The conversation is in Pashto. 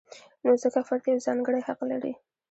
نو ځکه فرد یو ځانګړی حق لري.